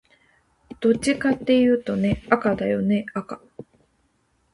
どっちかっていうとね、赤だよね赤